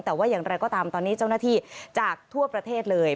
แต่ว่าอย่างไรก็ตามตอนนี้เจ้าหน้าที่จากทั่วประเทศเลย